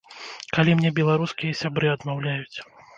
Калі мне беларускія сябры адмаўляюць.